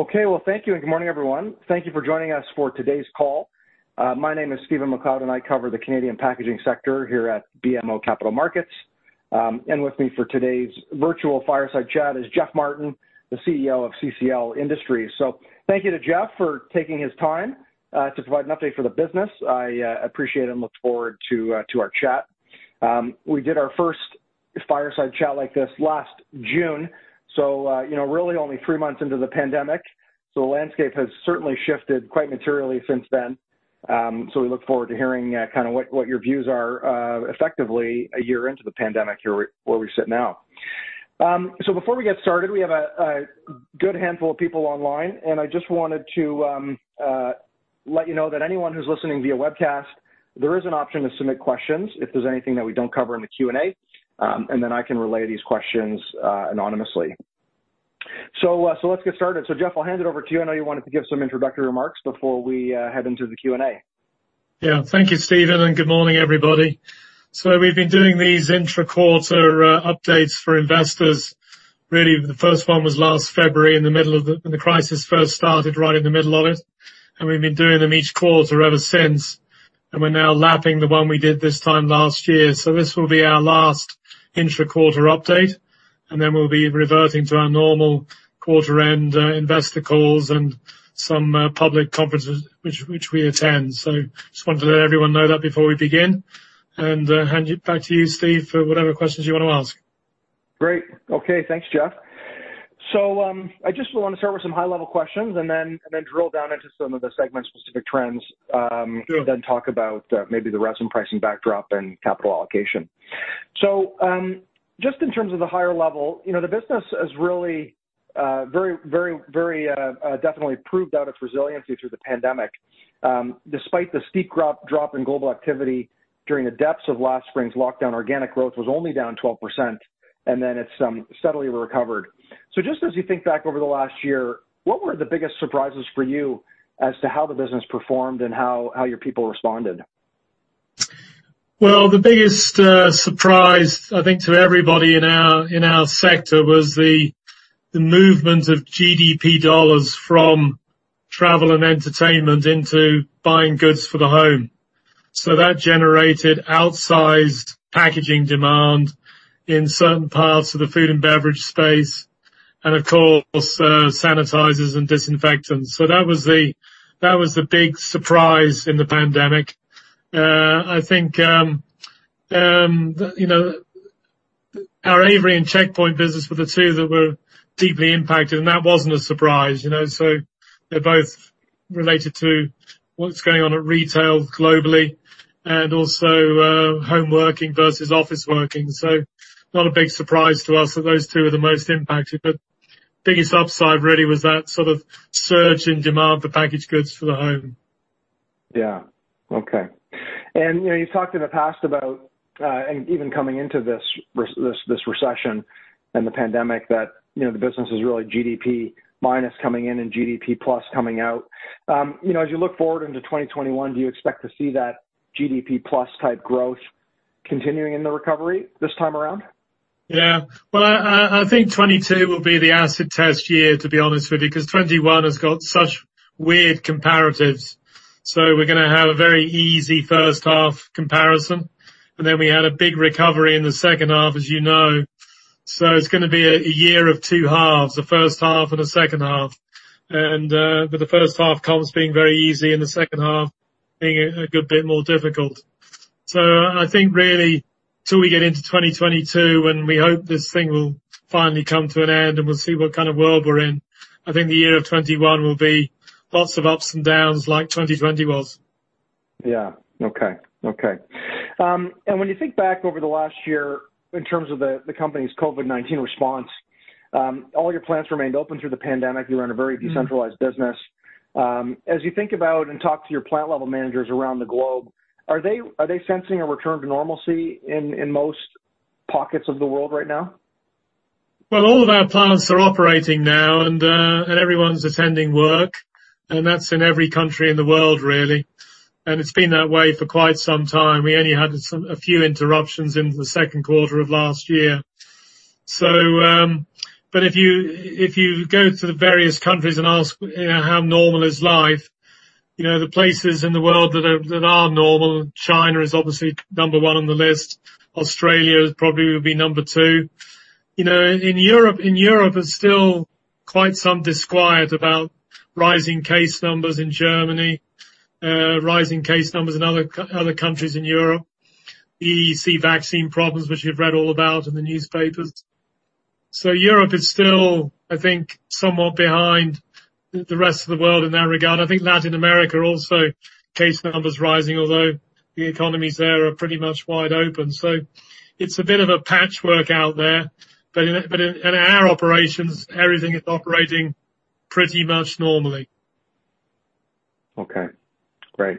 Okay. Well, thank you, and good morning, everyone. Thank you for joining us for today's call. My name is Stephen MacLeod, and I cover the Canadian packaging sector here at BMO Capital Markets. And with me for today's virtual fireside chat is Geoffrey Martin, the CEO of CCL Industries. Thank you to Jeff for taking his time to provide an update for the business. I appreciate and look forward to our chat. We did our first fireside chat like this last June, so you know, really only three months into the pandemic. The landscape has certainly shifted quite materially since then. We look forward to hearing kind of what your views are, effectively a year into the pandemic here where we sit now. Before we get started, we have a good handful of people online, and I just wanted to let you know that anyone who's listening via webcast, there is an option to submit questions if there's anything that we don't cover in the Q&A, and then I can relay these questions anonymously. Let's get started. Jeff, I'll hand it over to you. I know you wanted to give some introductory remarks before we head into the Q&A. Yeah. Thank you, Stephen, and good morning, everybody. We've been doing these intra-quarter updates for investors. Really, the first one was last February in the middle of the crisis when it first started, right in the middle of it, and we've been doing them each quarter ever since. We're now lapping the one we did this time last year. This will be our last intra-quarter update, and then we'll be reverting to our normal quarter end investor calls and some public conferences which we attend. Just wanted to let everyone know that before we begin and hand it back to you, Stephen, for whatever questions you want to ask. Great. Okay. Thanks, Jeff. I just want to start with some high-level questions and then drill down into some of the segment specific trends. Sure talk about maybe the resin pricing backdrop and capital allocation. Just in terms of the higher level, you know, the business has really very definitely proved out its resiliency through the pandemic. Despite the steep drop-in global activity during the depths of last spring's lockdown, organic growth was only down 12% and then it's steadily recovered. Just as you think back over the last year, what were the biggest surprises for you as to how the business performed and how your people responded? Well, the biggest surprise, I think to everybody in our sector was the movement of GDP dollars from travel and entertainment into buying goods for the home. That generated outsized packaging demand in certain parts of the food and beverage space and of course, sanitizers and disinfectants. That was the big surprise in the pandemic. I think, you know, our Avery and Checkpoint business were the two that were deeply impacted, and that wasn't a surprise, you know. They're both related to what's going on at retail globally and also, home working versus office working. Not a big surprise to us that those two are the most impacted, but biggest upside really was that sort of surge in demand for packaged goods for the home. You know, you've talked in the past about, and even coming into this recession and the pandemic, that, you know, the business is really GDP minus coming in and GDP plus coming out. You know, as you look forward into 2021, do you expect to see that GDP plus type growth continuing in the recovery this time around? Yeah. Well, I think 2022 will be the acid test year, to be honest with you, because 2021 has got such weird comparatives. We're gonna have a very easy first half comparison. We had a big recovery in the second half, as you know. It's gonna be a year of two halves, the first half and a second half, with the first half comps being very easy and the second half being a good bit more difficult. I think really till we get into 2022, and we hope this thing will finally come to an end and we'll see what kind of world we're in. I think the year of 2021 will be lots of ups and downs like 2020 was. Okay. When you think back over the last year in terms of the company's COVID-19 response, all your plants remained open through the pandemic. You run a very decentralized business. As you think about and talk to your plant level managers around the globe, are they sensing a return to normalcy in most pockets of the world right now? Well, all of our plants are operating now and everyone's attending work, and that's in every country in the world really. It's been that way for quite some time. We only had a few interruptions in the second quarter of last year. But if you go to the various countries and ask, you know, how normal is life, you know, the places in the world that are normal, China is obviously number one on the list. Australia probably would be number two. You know, in Europe, there's still quite some disquiet about rising case numbers in Germany, rising case numbers in other countries in Europe. You see vaccine problems, which you've read all about in the newspapers. Europe is still, I think, somewhat behind the rest of the world in that regard. I think Latin America also, case numbers rising, although the economies there are pretty much wide open. It's a bit of a patchwork out there. In our operations, everything is operating pretty much normally. Okay. Great.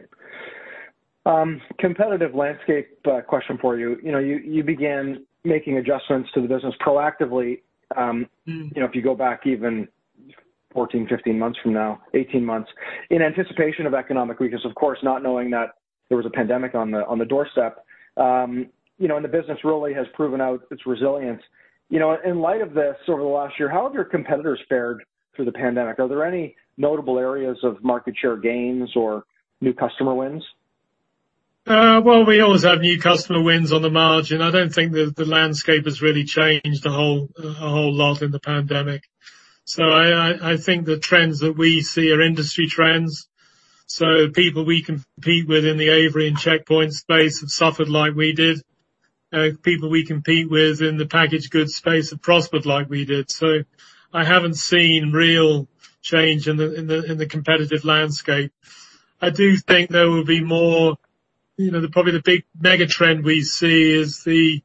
Competitive landscape question for you. You know, you began making adjustments to the business proactively. Mm You know, if you go back even 14, 15 months from now, 18 months, in anticipation of economic weakness, of course, not knowing that there was a pandemic on the doorstep. You know, the business really has proven out its resilience. You know, in light of this sort of last year, how have your competitors fared through the pandemic? Are there any notable areas of market share gains or new customer wins? Well, we always have new customer wins on the margin. I don't think that the landscape has really changed a whole lot in the pandemic. I think the trends that we see are industry trends. People we compete with in the Avery and Checkpoint space have suffered like we did. People we compete with in the packaged goods space have prospered like we did. I haven't seen real change in the competitive landscape. I do think there will be more, you know, probably the big mega trend we see is the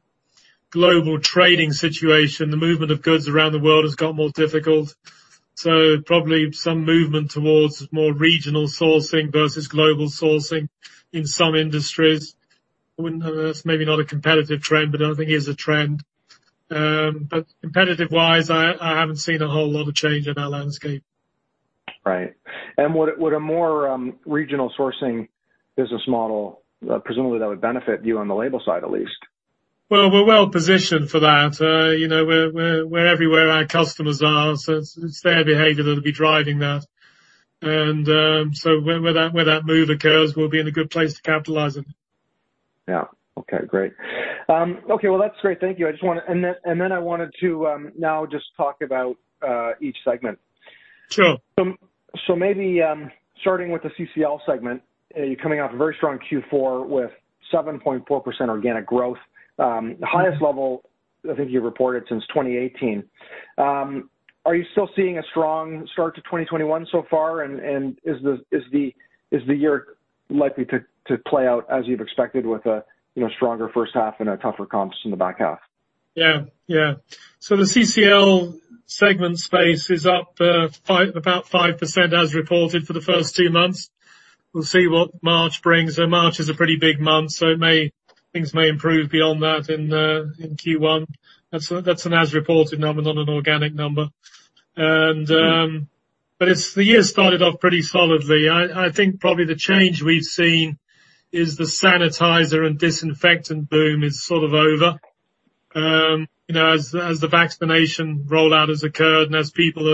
global trading situation. The movement of goods around the world has got more difficult. Probably some movement towards more regional sourcing versus global sourcing in some industries. I wouldn't know, that's maybe not a competitive trend, but I think is a trend. Competitive-wise, I haven't seen a whole lot of change in our landscape. Right. Would a more regional sourcing business model, presumably that would benefit you on the label side at least? Well, we're well positioned for that. You know, we're everywhere our customers are, so it's their behavior that'll be driving that. Where that move occurs, we'll be in a good place to capitalize it. Yeah. Okay, great. Okay, well, that's great. Thank you. Then I wanted to now just talk about each segment. Sure. Maybe starting with the CCL segment, you're coming off a very strong Q4 with 7.4% organic growth, the highest level I think you've reported since 2018. Are you still seeing a strong start to 2021 so far? Is the year likely to play out as you've expected with, you know, a stronger first half and tougher comps in the back half? Yeah, yeah. The CCL segment space is up about 5% as reported for the first two months. We'll see what March brings. March is a pretty big month, so it may. Things may improve beyond that in Q1. That's an as-reported number, not an organic number. The year started off pretty solidly. I think probably the change we've seen is the sanitizer and disinfectant boom is sort of over. You know, as the vaccination rollout has occurred and as people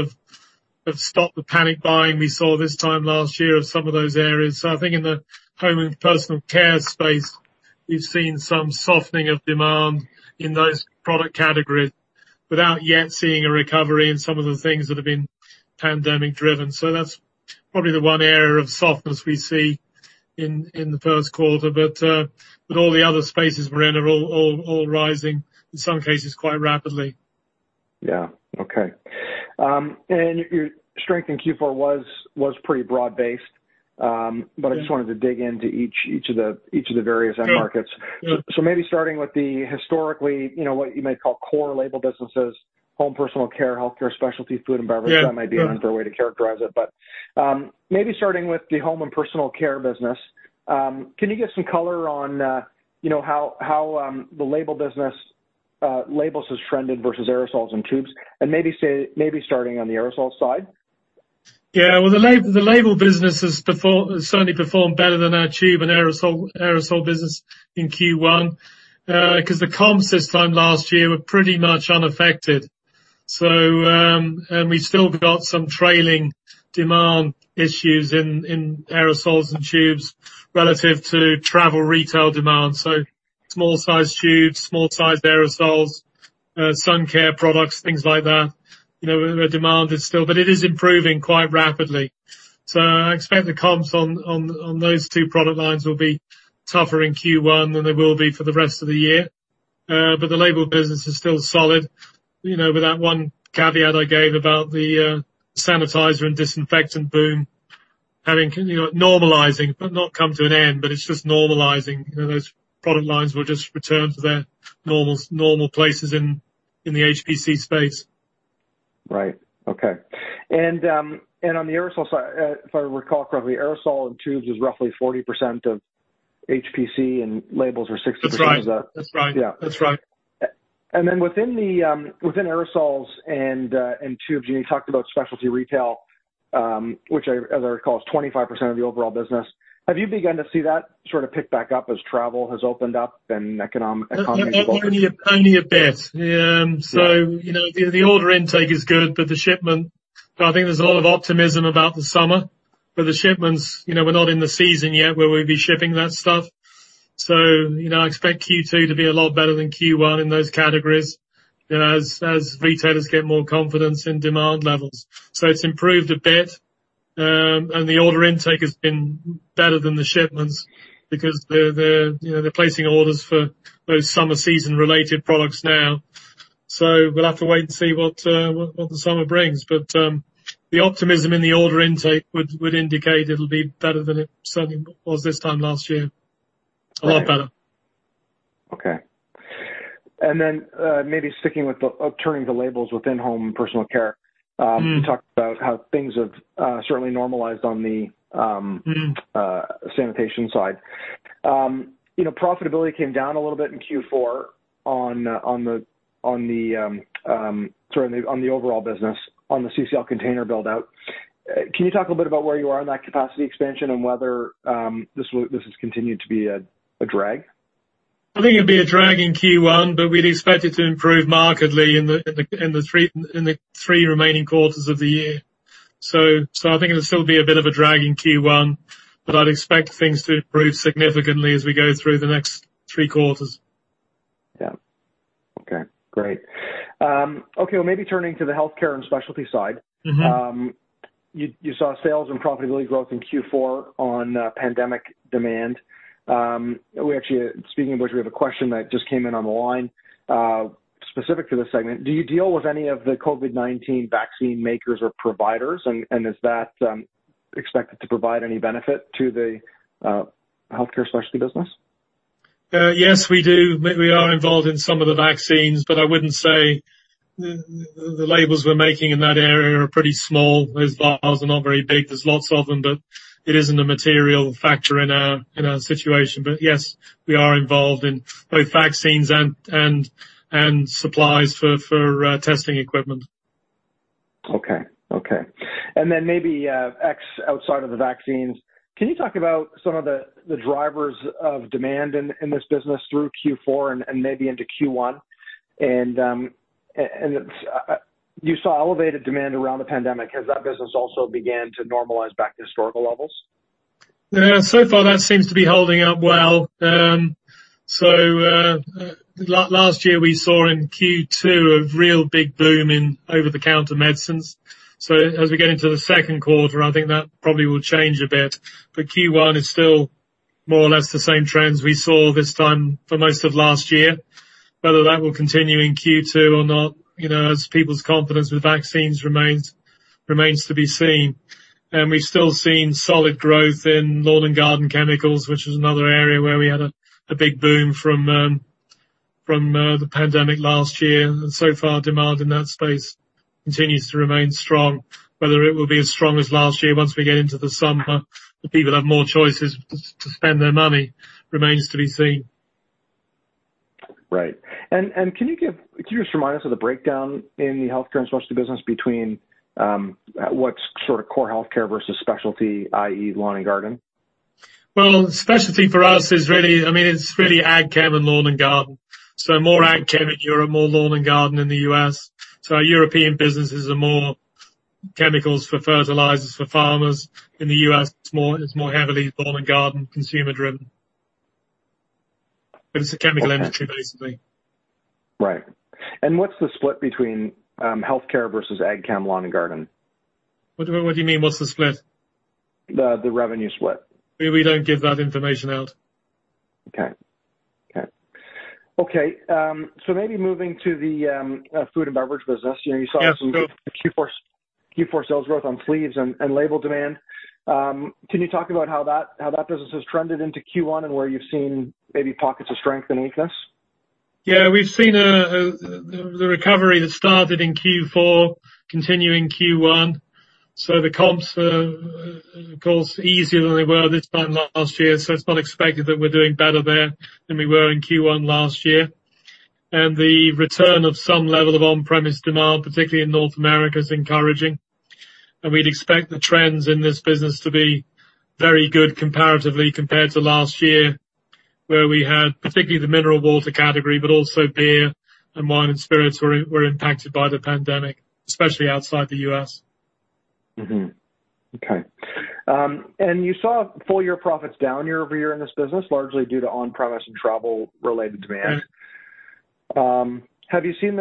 have stopped the panic buying, we saw this time last year of some of those areas. I think in the home and personal care space, we've seen some softening of demand in those product categories without yet seeing a recovery in some of the things that have been pandemic driven. That's probably the one area of softness we see in the first quarter. All the other spaces we're in are all rising, in some cases quite rapidly. Yeah. Okay. Your strength in Q4 was pretty broad-based. I just wanted to dig into each of the various end markets. Yeah. Yeah. Maybe starting with them, historically, you know, what you may call core label businesses, home and personal care, healthcare and specialty, food and beverage. Yeah. That might be an unfair way to characterize it, but maybe starting with the home and personal care business, can you give some color on, you know, how the label business labels has trended versus aerosols and tubes, and maybe say, maybe starting on the aerosol side? Yeah. Well, the label business has certainly performed better than our tube and aerosol business in Q1, 'cause the comps this time last year were pretty much unaffected. We still got some trailing demand issues in aerosols and tubes relative to travel retail demand. Small sized tubes, small sized aerosols, sun care products, things like that. You know, the demand is still. It is improving quite rapidly. I expect the comps on those two product lines will be tougher in Q1 than they will be for the rest of the year. The label business is still solid, you know, with that one caveat I gave about the sanitizer and disinfectant boom having normalized, but not come to an end, but it's just normalizing. You know, those product lines will just return to their normal places in the HPC space. Right. Okay. On the aerosol side, if I recall correctly, aerosol and tubes is roughly 40% of HPC and labels are 60%. That's right. That's right. Yeah. That's right. Within the aerosols and tubes, you talked about specialty retail, which I recall is 25% of the overall business. Have you begun to see that sort of pick back up as travel has opened up and economies have opened? Only a bit. Yeah. You know, the order intake is good, but the shipment. I think there's a lot of optimism about the summer. The shipments, you know, we're not in the season yet where we'd be shipping that stuff. You know, I expect Q2 to be a lot better than Q1 in those categories, you know, as retailers get more confidence in demand levels. It's improved a bit, and the order intake has been better than the shipments because they're placing orders for those summer season related products now. We'll have to wait and see what the summer brings. The optimism in the order intake would indicate it'll be better than it certainly was this time last year, a lot better. Okay. Turning to labels within home and personal care. Mm-hmm. You talked about how things have certainly normalized on the. Mm-hmm Sanitation side. You know, profitability came down a little bit in Q4 on the overall business, on the CCL Container build-out. Can you talk a little bit about where you are in that capacity expansion and whether this has continued to be a drag? I think it'd be a drag in Q1, but we'd expect it to improve markedly in the three remaining quarters of the year. I think it'll still be a bit of a drag in Q1, but I'd expect things to improve significantly as we go through the next three quarters. Yeah. Okay, great. Okay, well, maybe turning to the healthcare and specialty side. Mm-hmm. You saw sales and profitability growth in Q4 on pandemic demand. We actually, speaking of which, have a question that just came in on the line specific to this segment. Do you deal with any of the COVID-19 vaccine makers or providers? And is that expected to provide any benefit to the healthcare specialty business? Yes, we do. We are involved in some of the vaccines, but I wouldn't say the labels we're making in that area are pretty small. Those vials are not very big. There's lots of them, but it isn't a material factor in our situation. Yes, we are involved in both vaccines and supplies for testing equipment. Okay. Then maybe outside of the vaccines, can you talk about some of the drivers of demand in this business through Q4 and maybe into Q1? You saw elevated demand around the pandemic. Has that business also begun to normalize back to historical levels? So far that seems to be holding up well. Last year we saw in Q2 a real big boom in over-the-counter medicines. As we get into the second quarter, I think that probably will change a bit. Q1 is still more or less the same trends we saw this time for most of last year. Whether that will continue in Q2 or not, you know, as people's confidence with vaccines remains to be seen. We've still seen solid growth in lawn and garden chemicals, which is another area where we had a big boom from the pandemic last year. So far, demand in that space continues to remain strong. Whether it will be as strong as last year once we get into the summer, the people have more choices to spend their money remains to be seen. Right. Can you just remind us of the breakdown in the healthcare and specialty business between what's sort of core healthcare versus specialty, i.e., lawn and garden? Well, specialty for us is really, I mean, it's really ag chem and lawn and garden. More ag chem in Europe, more lawn and garden in the U.S. Our European businesses are more chemicals for fertilizers for farmers. In the U.S., it's more heavily lawn and garden, consumer driven. It's a chemical industry, basically. Right. What's the split between healthcare versus ag chem, lawn and garden? What do you mean what's the split? The revenue split. We don't give that information out. Okay. Maybe moving to the food and beverage business. You know, you saw some- Yeah, go.... Q4 sales growth on sleeves and label demand. Can you talk about how that business has trended into Q1 and where you've seen maybe pockets of strength and weakness? Yeah. We've seen the recovery that started in Q4 continue in Q1. The comps are, of course, easier than they were this time last year, so it's not expected that we're doing better there than we were in Q1 last year. The return of some level of on-premises demand, particularly in North America, is encouraging. We'd expect the trends in this business to be very good comparatively compared to last year, where we had particularly the mineral water category, but also beer and wine and spirits were impacted by the pandemic, especially outside the U.S. Mm-hmm. Okay. You saw full-year profits down year-over-year in this business, largely due to on-premises and travel-related demand. Mm-hmm. Have you seen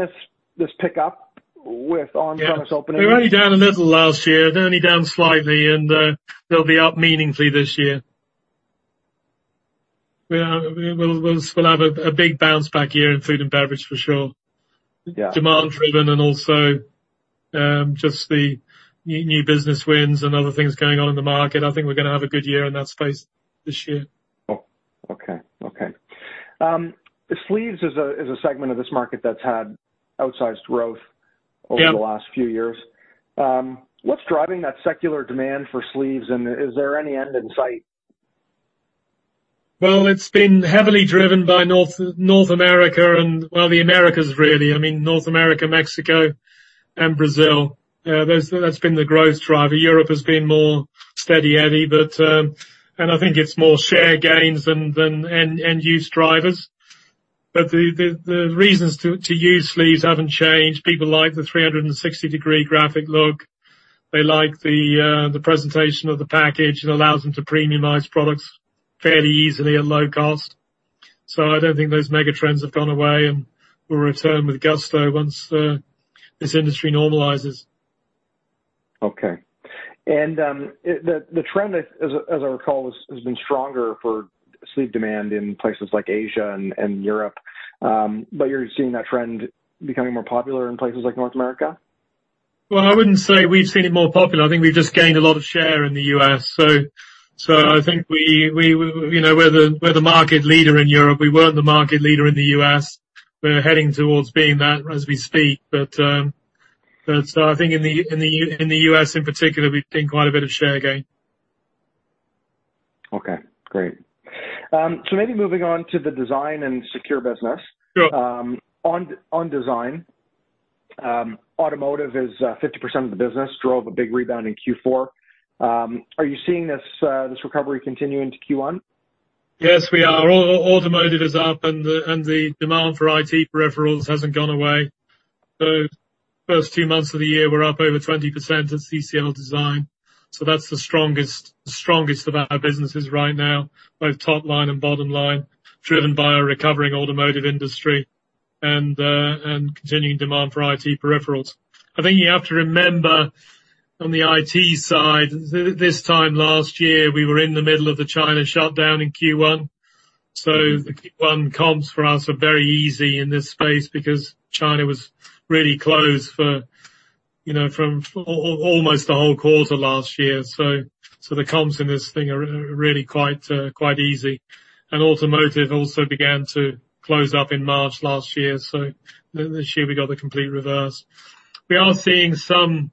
this pick up with on-premise openings? Yeah. They were only down a little last year. They're only down slightly and they'll be up meaningfully this year. We'll have a big bounce back year in food and beverage for sure. Yeah. Demand driven and also, just the new business wins and other things going on in the market. I think we're gonna have a good year in that space this year. Oh, okay. Sleeves is a segment of this market that's had outsized growth. Yeah... over the last few years. What's driving that secular demand for sleeves, and is there any end in sight? Well, it's been heavily driven by North America and, well, the Americas really. I mean, North America, Mexico, and Brazil. That's been the growth driver. Europe has been more steady Eddie, but I think it's more share gains than end use drivers. The reasons to use sleeves haven't changed. People like the 360-degree graphic look. They like the presentation of the package. It allows them to premiumize products fairly easily at low cost. I don't think those mega trends have gone away, and we'll return with gusto once this industry normalizes. Okay. The trend as I recall has been stronger for sleeve demand in places like Asia and Europe. You're seeing that trend becoming more popular in places like North America? Well, I wouldn't say we've seen it more popular. I think we've just gained a lot of shares in the U.S. I think you know, we're the market leader in Europe. We weren't the market leader in the U.S. We're heading towards being that as we speak, but I think in the U.S. in particular, we've seen quite a bit of share gain. Okay, great. Maybe moving on to the Design and Secure business. Sure. On design, automotive is 50% of the business, drove a big rebound in Q4. Are you seeing this recovery continue into Q1? Yes, we are. Automotive is up, and the demand for IT peripherals hasn't gone away. The first two months of the year were up over 20% at CCL Design. So, that's the strongest of our businesses right now, both top line and bottom line, driven by a recovering automotive industry and continuing demand for IT peripherals. I think you have to remember on the IT side, this time last year, we were in the middle of the China shutdown in Q1. So, the Q1 comps for us are very easy in this space because China was really closed for, you know, from almost the whole quarter last year. So, the comps in this thing are really quite easy. Automotive also began to shut down in March last year, so this year we got the complete reverse. We are seeing some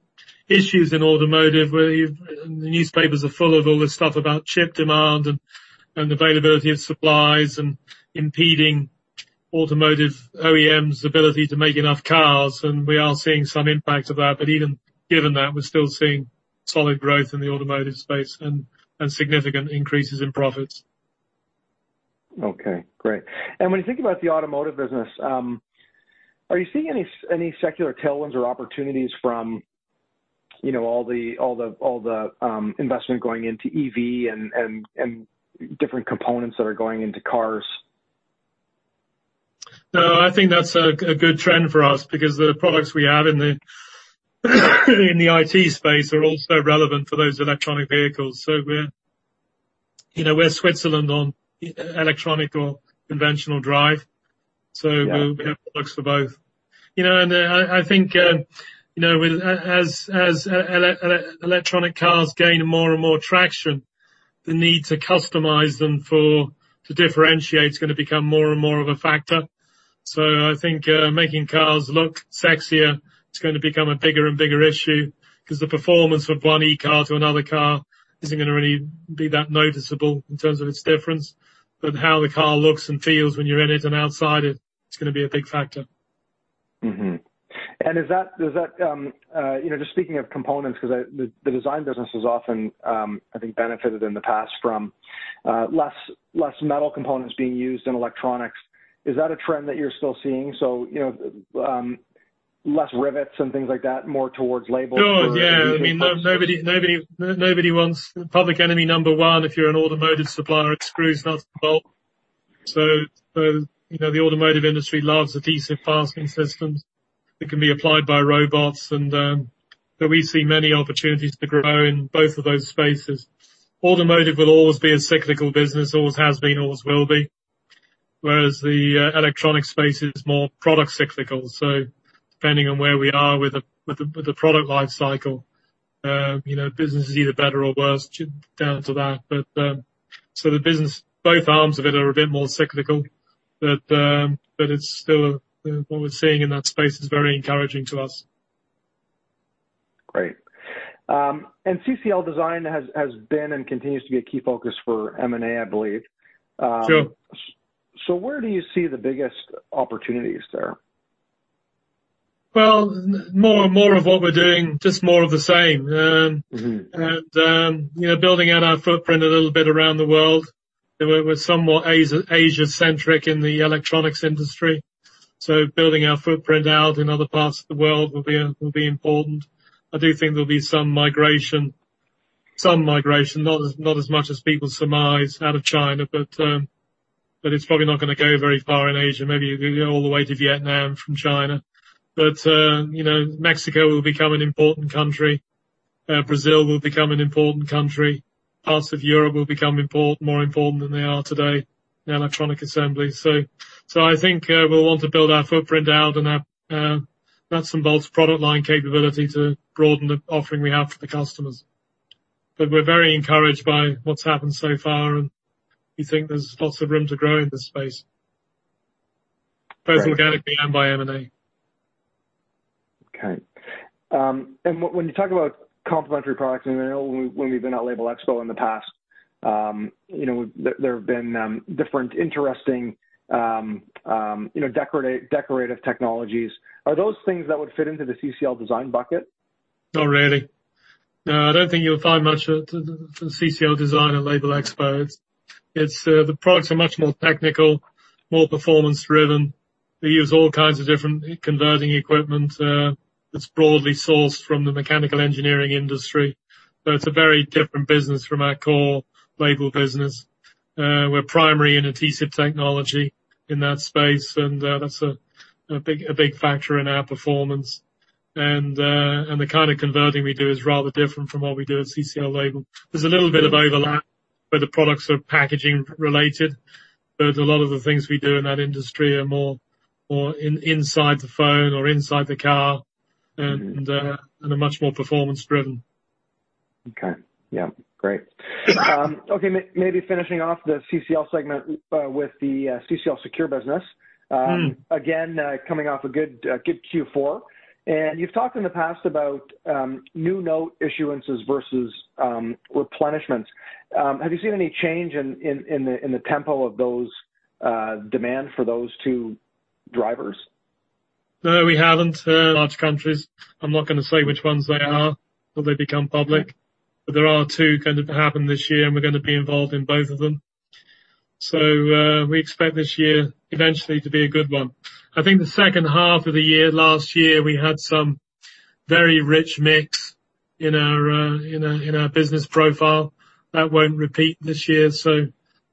issues in automotive. The newspapers are full of all this stuff about chip demand and availability of supplies and impeding automotive OEMs' ability to make enough cars, and we are seeing some impact of that. Even given that, we're still seeing solid growth in the automotive space and significant increases in profits. Okay, great. When you think about the automotive business, are you seeing any secular tailwinds or opportunities from, you know, all the investment going into EV and different components that are going into cars? No, I think that's a good trend for us because the products we have in the IT space are also relevant for those electric vehicles. We're, you know, Switzerland on electric or conventional drive. Yeah. We have products for both. You know, I think as electric cars gain more and more traction, the need to customize them to differentiate is gonna become more and more of a factor. I think making cars look sexier is gonna become a bigger and bigger issue because the performance from one e-car to another car isn't gonna really be that noticeable in terms of its difference. How the car looks and feels when you're in it and outside it's gonna be a big factor. You know, just speaking of components. The design business has often, I think, benefited in the past from less metal components being used in electronics. Is that a trend that you're still seeing? You know, less rivets and things like that, more towards labels or Sure, yeah. I mean, nobody wants public enemy number one if you're an automotive supplier, it screws, nuts, and bolts. You know, the automotive industry loves adhesive fastening systems that can be applied by robots. But we see many opportunities to grow in both of those spaces. Automotive will always be a cyclical business, always has been, always will be, whereas the electronic space is more product cyclical. Depending on where we are with the product life cycle, you know, business is either better or worse down to that. The business, both arms of it are a bit more cyclical, but it's still what we're seeing in that space is very encouraging to us. Great. CCL Design has been and continues to be a key focus for M&A, I believe. Sure. Where do you see the biggest opportunities there? Well, more and more of what we're doing, just more of the same. Mm-hmm. You know, building out our footprint a little bit around the world. You know, we're somewhat Asia-centric in the electronics industry, so building our footprint out in other parts of the world will be important. I do think there'll be some migration, not as much as people surmise out of China, but it's probably not gonna go very far in Asia, maybe go all the way to Vietnam from China. You know, Mexico will become an important country. Brazil will become an important country. Parts of Europe will become more important than they are today in electronic assembly. I think we'll want to build our footprint out and our nuts-and-bolts product line capability to broaden the offering we have for the customers. We're very encouraged by what's happened so far, and we think there's lots of room to grow in this space, both organically and by M&A. Okay. When you talk about complementary products, and I know when we've been at Labelexpo in the past, you know, there have been, you know, decorative technologies. Are those things that would fit into the CCL Design bucket? Not really. No, I don't think you'll find much at the CCL Design or Labelexpo. It's the products are much more technical, more performance driven. They use all kinds of different converting equipment, that's broadly sourced from the mechanical engineering industry. It's a very different business from our core label business. We're primary in adhesive technology in that space, and that's a big factor in our performance. The kind of converting we do is rather different from what we do at CCL Label. There's a little bit of overlap where the products are packaging related, but a lot of the things we do in that industry are more inside the phone or inside the car and are much more performance driven. Okay. Yeah. Great. Okay. Maybe finishing off the CCL segment with the CCL Secure business. Mm. Again, coming off a good Q4. You've talked in the past about new note issuances versus replenishments. Have you seen any change in demand for those two drivers. No, we haven't large countries. I'm not gonna say which ones they are till they become public. There are two going to happen this year, and we're gonna be involved in both of them. We expect this year eventually to be a good one. I think the second half of the year last year, we had some very rich mix in our business profile. That won't repeat this year.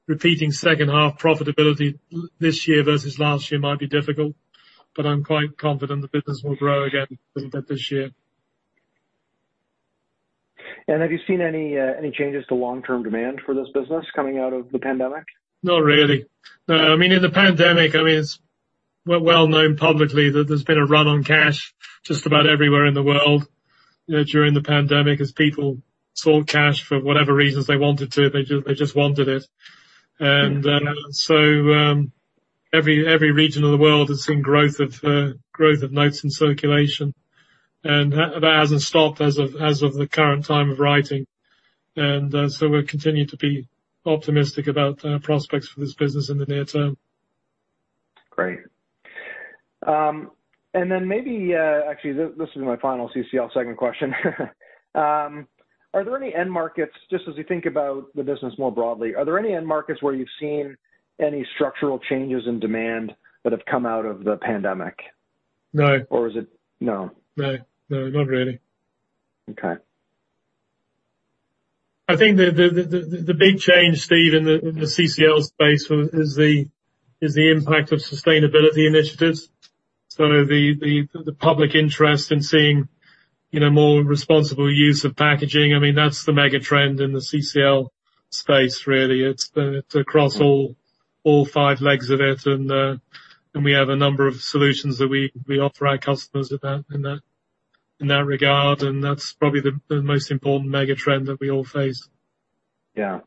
Repeating second half profitability this year versus last year might be difficult. I'm quite confident the business will grow again a bit this year. Have you seen any changes to long-term demand for this business coming out of the pandemic? Not really. No. I mean, in the pandemic, it's well known publicly that there's been a run on cash just about everywhere in the world, you know, during the pandemic, as people sought cash for whatever reasons they wanted to. They just wanted it. Every region of the world has seen growth of notes in circulation. That hasn't stopped as of the current time of writing. We're continuing to be optimistic about prospects for this business in the near term. Great. Actually, this is my final CCL segment question. Are there any end markets, just as we think about the business more broadly, are there any end markets where you've seen any structural changes in demand that have come out of the pandemic? No. Is it no? No. No, not really. Okay. I think the big change, Stephen, in the CCL space is the impact of sustainability initiatives. The public interest in seeing, you know, more responsible use of packaging, I mean, that's the mega trend in the CCL space really. It's across all five legs of it. We have a number of solutions that we offer our customers in that regard, and that's probably the most important mega trend that we all face. Yeah.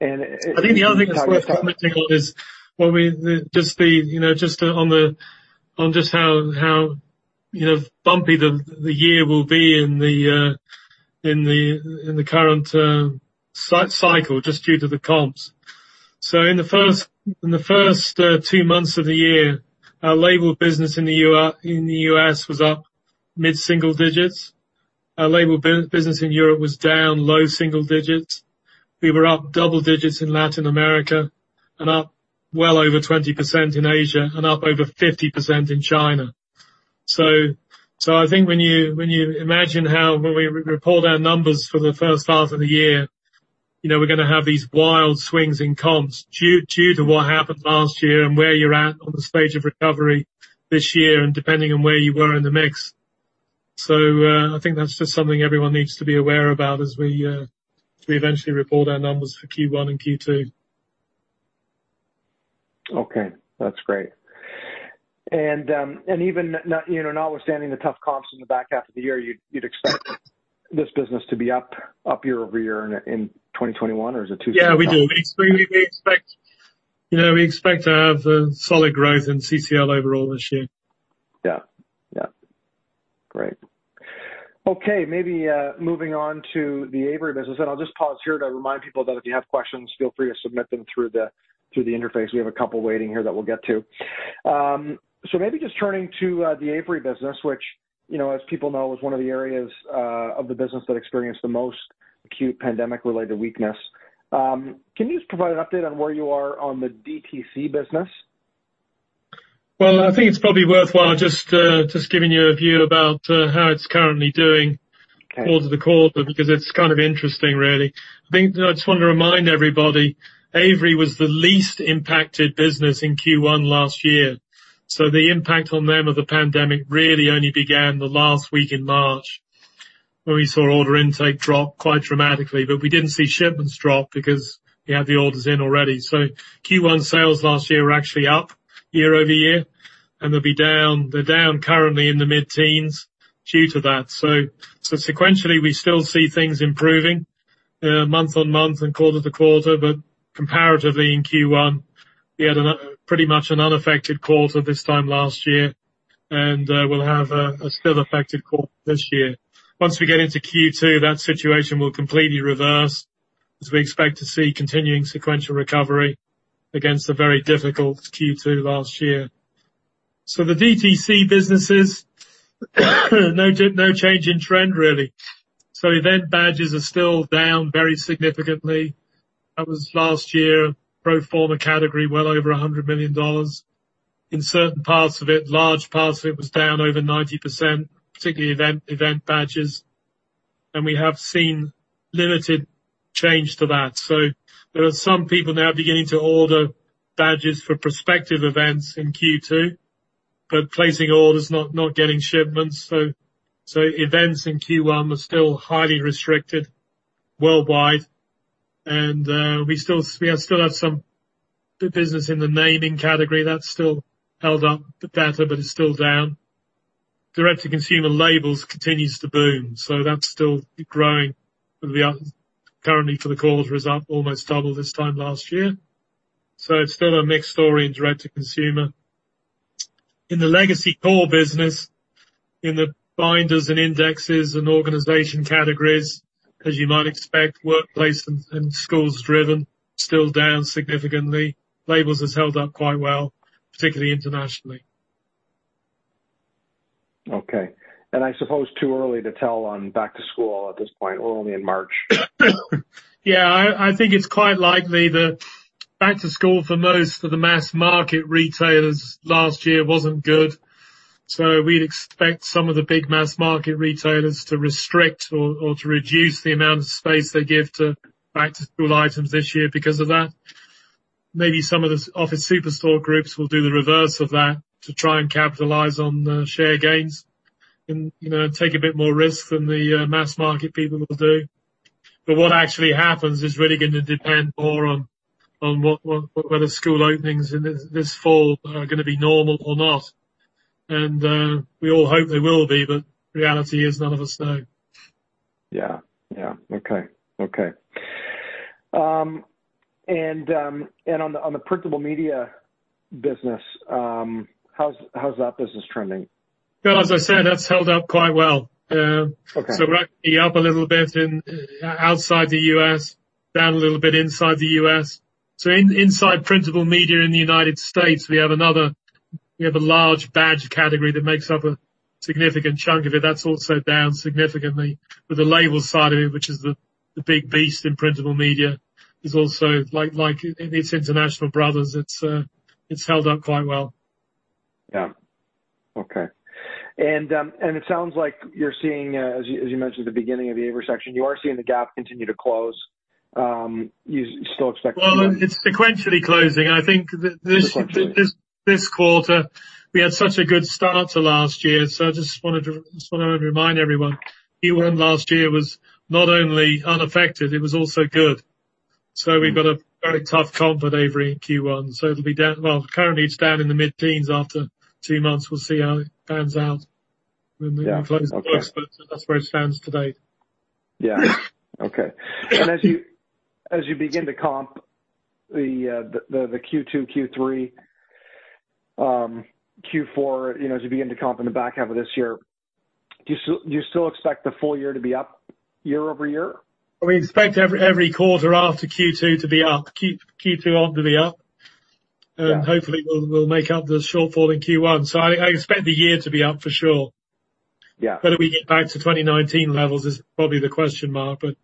I think the other thing that's worth commenting on is just how, you know, bumpy the year will be in the current cycle just due to the comps. In the first two months of the year, our label business in the U.S. was up mid-single digits. Our label business in Europe was down low single digits%. We were up double digits in Latin America and up well over 20% in Asia and up over 50% in China. I think when you imagine how when we report our numbers for the first half of the year, you know, we're gonna have these wild swings in comps due to what happened last year and where you're at on the stage of recovery this year and depending on where you were in the mix. I think that's just something everyone needs to be aware about as we eventually report our numbers for Q1 and Q2. Okay, that's great. Even, you know, notwithstanding the tough comps in the back half of the year, you'd expect this business to be up year-over-year in 2021 or is it too soon? Yeah, we do. We expect, you know, to have solid growth in CCL overall this year. Yeah. Yeah. Great. Okay, maybe moving on to the Avery business. I'll just pause here to remind people that if you have questions, feel free to submit them through the interface. We have a couple waiting here that we'll get to. Maybe just turning to the Avery business, which, you know, as people know, was one of the areas of the business that experienced the most acute pandemic-related weakness. Can you just provide an update on where you are on the DTC business? Well, I think it's probably worthwhile just giving you a view about how it's currently doing. Okay Quarter-to-quarter because it's kind of interesting, really. I think, you know, I just wanna remind everybody, Avery was the least impacted business in Q1 last year. The impact on them of the pandemic really only began the last week in March, where we saw order intake drop quite dramatically. We didn't see shipments drop because we had the orders in already. Q1 sales last year were actually up year-over-year, and they'll be down, they're down currently in the mid-teens due to that. Sequentially, we still see things improving, month-on-month and quarter-to-quarter. Comparatively, in Q1, we had pretty much an unaffected quarter this time last year, and we'll have a still affected quarter this year. Once we get into Q2, that situation will completely reverse as we expect to see continuing sequential recovery against a very difficult Q2 last year. The DTC businesses, no change in trend, really. Event badges are still down very significantly. That was last year, pro forma category, well over 100 million dollars. In certain parts of it, large parts of it was down over 90%, particularly event badges. We have seen limited change to that. There are some people now beginning to order badges for prospective events in Q2, but placing orders, not getting shipments. Events in Q1 were still highly restricted worldwide. We still have some business in the naming category. That's still held up better, but it's still down. Direct to consumer labels continues to boom, so that's still growing. Avery for the quarter is up almost double this time last year. It's still a mixed story in direct-to-consumer. In the legacy core business, in the binders and indexes and organization categories, as you might expect, workplace- and schools-driven, still down significantly. Labels has held up quite well, particularly internationally. Okay. I suppose it's too early to tell on back to school at this point. We're only in March. Yeah, I think it's quite likely that back to school for most of the mass market retailers last year wasn't good. We'd expect some of the big mass market retailers to restrict or to reduce the amount of space they give to back to school items this year because of that. Maybe some of the office superstore groups will do the reverse of that to try and capitalize on the share gains and, you know, take a bit more risk than the mass market people will do. What actually happens is really gonna depend more on whether school openings in this fall are gonna be normal or not. We all hope they will be, but reality is none of us know. Yeah. Okay. On the printable media business, how's that business trending? Well, as I said, that's held up quite well. Okay. We're actually up a little bit outside the U.S., down a little bit inside the U.S. In printable media in the United States, we have a large badge category that makes up a significant chunk of it. That's also down significantly. The label side of it, which is the big beast in printable media, is also like its international brothers. It's held up quite well. Yeah. Okay. It sounds like you're seeing, as you mentioned at the beginning of the Avery section, you are seeing the gap continue to close. You still expecting that? Well, it's sequentially closing. I think Sequentially. This quarter we had such a good start to last year, so I just wanted to remind everyone, Q1 last year was not only unaffected, it was also good. We've got a very tough comp at Avery in Q1. It'll be down. Well, currently it's down in the mid-teens after two months. We'll see how it pans out when we close the books. Yeah. Okay. That's where it stands today. Yeah. Okay. As you begin to comp the Q2, Q3, Q4, you know, as you begin to comp in the back half of this year, do you still expect the full year to be up year-over-year? We expect every quarter after Q2 to be up. Yeah. Hopefully we'll make up the shortfall in Q1. I expect the year to be up for sure. Yeah. Whether we get back to 2019 levels is probably the question mark, but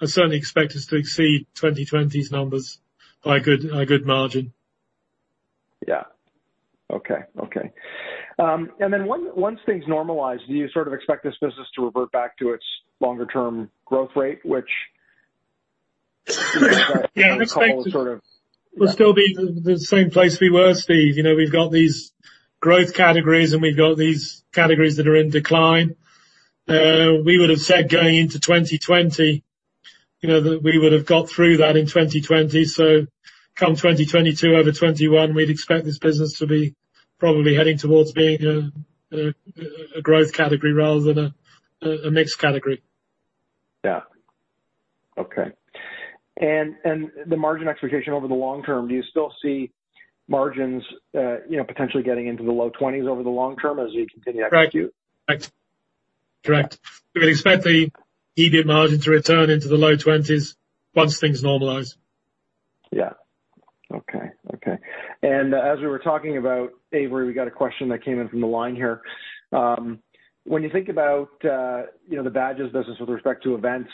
I certainly expect us to exceed 2020's numbers by a good margin. Yeah. Okay. Once things normalize, do you sort of expect this business to revert back to its longer-term growth rate, which? Yeah. sort of- We'll still be the same place we were, Stephen. You know, we've got these growth categories, and we've got these categories that are in decline. We would have said going into 2020, you know, that we would have got through that in 2020. Come 2022 over 2021, we'd expect this business to be probably heading towards being a growth category rather than a mixed category. The margin expectation over the long term, do you still see margins, you know, potentially getting into the low 20s% over the long term as you continue to execute? Correct. We expect the EBIT margin to return into the low 20s% once things normalize. As we were talking about Avery, we got a question that came in from the line here. When you think about you know the badges business with respect to events,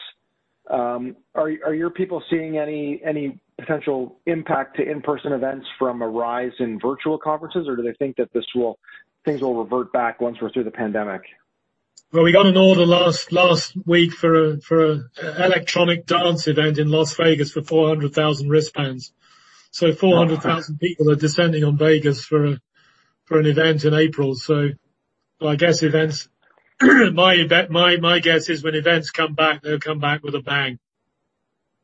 are your people seeing any potential impact to in-person events from a rise in virtual conferences? Or do they think that things will revert back once we're through the pandemic? Well, we got an order last week for an electronic dance event in Las Vegas for 400,000 wristbands. 400,000 people are descending on Vegas for an event in April. I guess events, my guess is when events come back, they'll come back with a bang.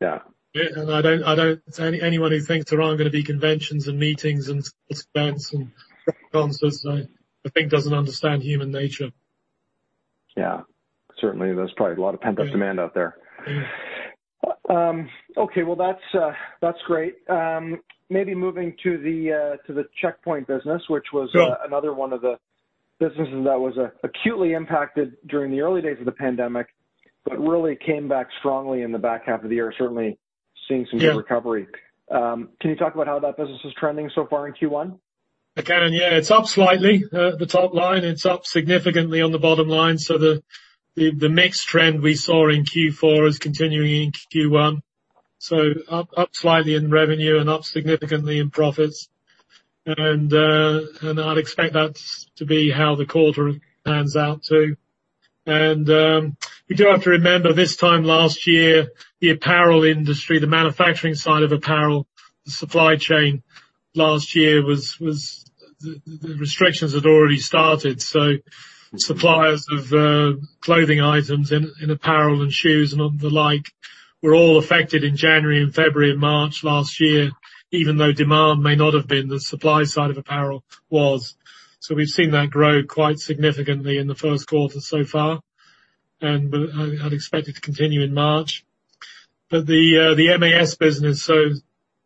Yeah. Anyone who thinks there aren't gonna be conventions and meetings and events and concerts, I think, doesn't understand human nature. Yeah. Certainly, there's probably a lot of pent-up demand out there. Okay. Well, that's great. Maybe moving to the Checkpoint business, which was- Yeah. another one of the businesses that was acutely impacted during the early days of the pandemic, but really came back strongly in the back half of the year, certainly seeing some good recovery. Yeah. Can you talk about how that business is trending so far in Q1? I can, yeah. It's up slightly at the top line. It's up significantly on the bottom line. The mix trend we saw in Q4 is continuing in Q1. Up slightly in revenue and up significantly in profits. I'd expect that to be how the quarter pans out too. We do have to remember this time last year, the apparel industry, the manufacturing side of apparel, the supply chain last year was. The restrictions had already started, so suppliers of clothing items in apparel and shoes and the like were all affected in January and February and March last year, even though demand may not have been, the supply side of apparel was. We've seen that grow quite significantly in the first quarter so far, and I'd expect it to continue in March. The MAS business, so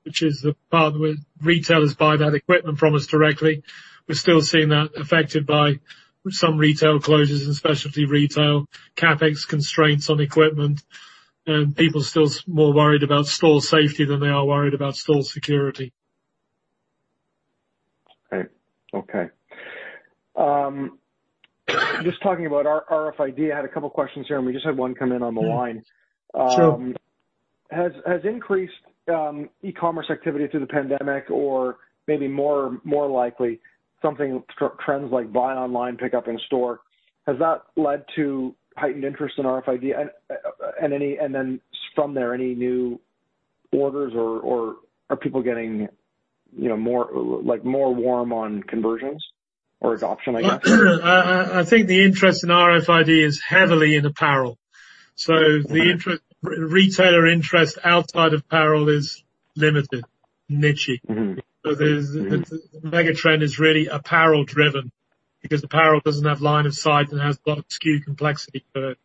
which is the part where retailers buy that equipment from us directly, we're still seeing that affected by some retail closures and specialty retail, CapEx constraints on equipment, and people still more worried about store safety than they are worried about store security. Okay. Just talking about RFID. I had a couple questions here, and we just had one come in on the line. Yeah. Sure. Has increased e-commerce activity through the pandemic or maybe more likely something trends like buy online pickup in store, has that led to heightened interest in RFID? And then from there, any new orders or are people getting, you know, more like more warm on conversions or adoption, I guess? I think the interest in RFID is heavily in apparel. The interest, retailer interest outside of apparel is limited, niche-y. Mm-hmm. There's the mega trend is really apparel driven because apparel doesn't have line of sight and has got SKU complexity to it.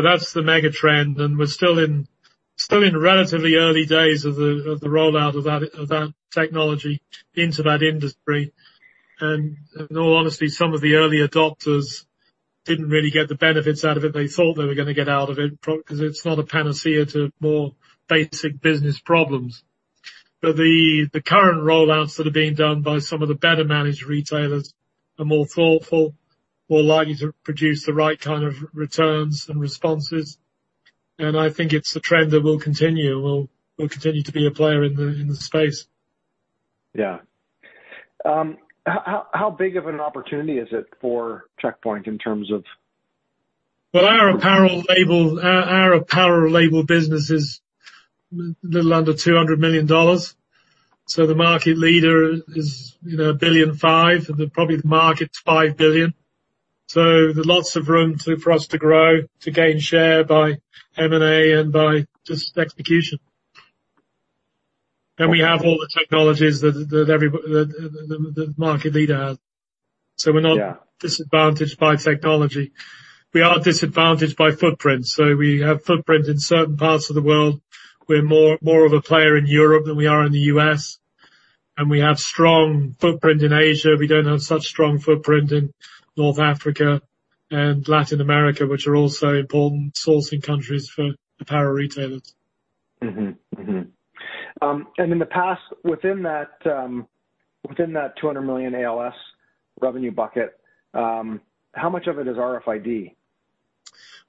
That's the mega trend, and we're still in relatively early days of the rollout of that technology into that industry. In all honesty, some of the early adopters didn't really get the benefits out of it they thought they were gonna get out of it 'cause it's not a panacea to more basic business problems. The current rollouts that are being done by some of the better managed retailers are more thoughtful, more likely to produce the right kind of returns and responses. I think it's a trend that will continue, and we'll continue to be a player in the space. Yeah. How big of an opportunity is it for Checkpoint in terms of? Well, our apparel label business is a little under $200 million. The market leader is, you know, $1.5 billion, and then probably the market's $5 billion. There's lots of room for us to grow, to gain share by M&A and by just execution. We have all the technologies that the market leader has. We're not- Yeah Disadvantaged by technology. We are disadvantaged by footprint. We have footprint in certain parts of the world. We're more of a player in Europe than we are in the U.S. We have strong footprint in Asia. We don't have such strong footprint in North Africa and Latin America, which are also important sourcing countries for apparel retailers. In the past, within that 200 million ALS revenue bucket, how much of it is RFID?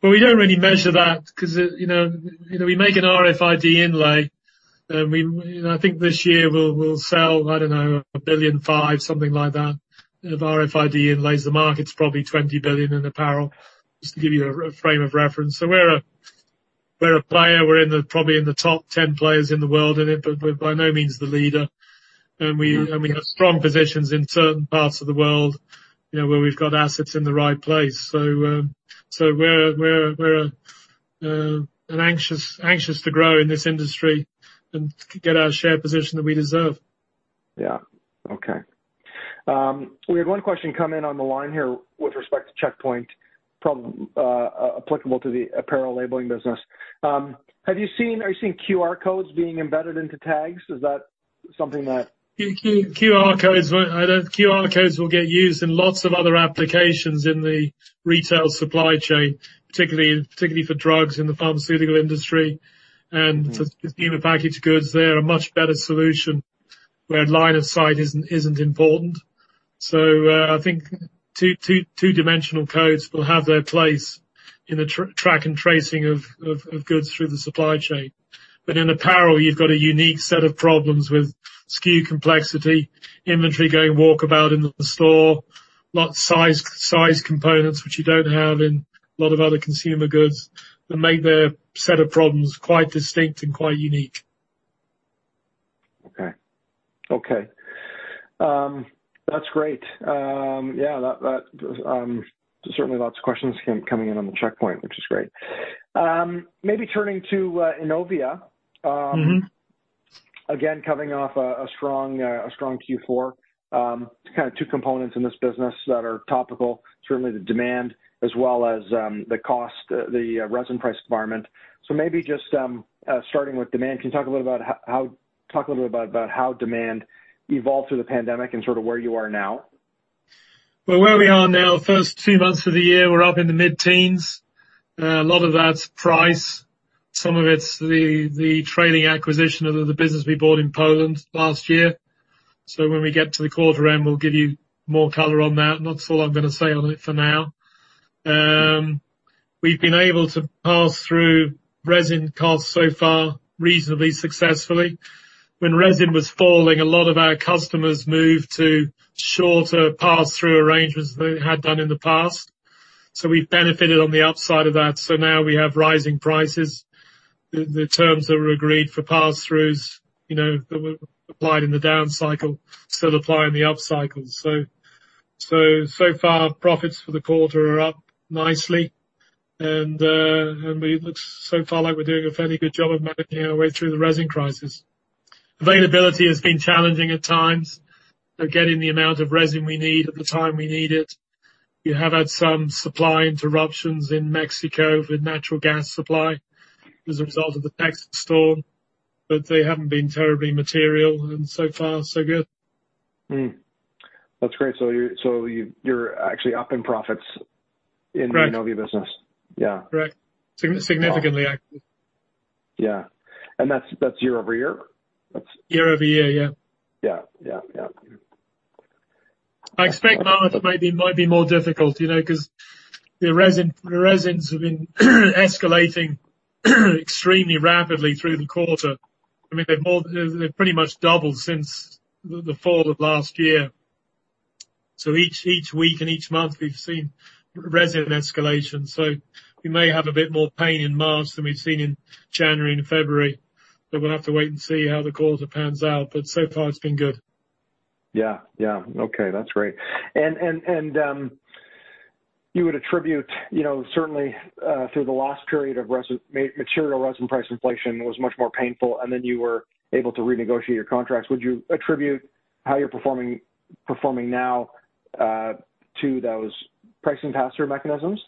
Well, we don't really measure that 'cause it, you know, we make an RFID inlay, and we, you know, I think this year we'll sell, I don't know, 1.5 billion, something like that of RFID inlays. The market's probably 20 billion in apparel, just to give you a frame of reference. We're a player. We're probably in the top 10 players in the world in it, but we're by no means the leader. We have strong positions in certain parts of the world, you know, where we've got assets in the right place. We're anxious to grow in this industry and get our share position that we deserve. Yeah. Okay. We had one question come in on the line here with respect to Checkpoint applicable to the apparel labeling business. Are you seeing QR codes being embedded into tags? Is that something that- QR codes will get used in lots of other applications in the retail supply chain, particularly for drugs in the pharmaceutical industry and for consumer-packaged goods. They're a much better solution where line of sight isn't important. I think two-dimensional codes will have their place in the track and tracing of goods through the supply chain. But in apparel, you've got a unique set of problems with SKU complexity, inventory going walkabout in the store, lot size components which you don't have in a lot of other consumer goods, that make their set of problems quite distinct and quite unique. Okay. That's great. Yeah, that certainly lots of questions coming in on the Checkpoint, which is great. Maybe turning to Innovia. Mm-hmm... again, coming off a strong Q4. Kind of two components in this business that are topical, certainly the demand as well as the cost, the resin price environment. Maybe just starting with demand, can you talk a little bit about how demand evolved through the pandemic and sort of where you are now? Where we are now, first two months of the year, we're up in the mid-teens. A lot of that's price. Some of it's the trading acquisition of the business we bought in Poland last year. When we get to the quarter end, we'll give you more color on that. That's all I'm gonna say on it for now. We've been able to pass through resin costs so far reasonably successfully. When resin was falling, a lot of our customers moved to shorter pass-through arrangements than they had done in the past. We've benefited on the upside of that. Now we have rising prices. The terms that were agreed for pass-throughs, you know, that were applied in the down cycle still apply in the up cycles. So far profits for the quarter are up nicely. It looks so far like we're doing a fairly good job of managing our way through the resin crisis. Availability has been challenging at times but getting the amount of resin we need at the time we need it. We have had some supply interruptions in Mexico with natural gas supply as a result of the Texas storm, but they haven't been terribly material, and so far, so good. That's great. You're actually up in profits in- Right. the Innovia business. Yeah. Right. Significantly, actually. Yeah. That's year over year? Year-over-year, yeah. Yeah. I expect March might be more difficult, you know, 'cause the resin, the resins have been escalating extremely rapidly through the quarter. I mean, they've pretty much doubled since the fall of last year. Each week and each month we've seen resin escalation, so we may have a bit more pain in March than we've seen in January and February. We'll have to wait and see how the quarter pans out, but so far, it's been good. Yeah. Yeah. Okay, that's great. You would attribute, you know, certainly through the last period of resin price inflation was much more painful, and then you were able to renegotiate your contracts. Would you attribute how you're performing now to those pricing pass-through mechanisms?